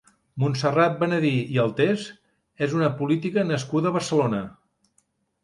Montserrat Benedí i Altés és una política nascuda a Barcelona.